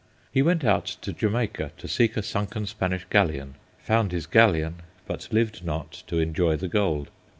He went out to Jamaica to seek a sunken Spanish galleon, found his galleon, but lived not to enjoy the gold.